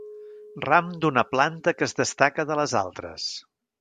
Ram d'una planta que es destaca de les altres.